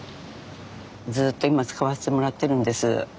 ずっと今使わせてもらってるんです。